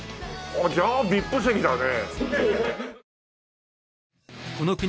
じゃあＶＩＰ席だね。